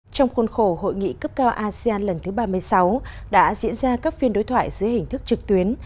trong khuôn khổ hội nghị cấp cao asean lần thứ ba mươi sáu đã diễn ra các phiên đối thoại dưới hình thức trực tuyến